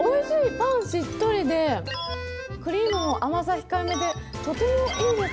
パンしっとりでクリームも甘さ控えめで、とてもいいです。